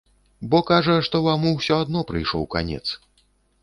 Бо, кажа, што вам усё адно прыйшоў канец.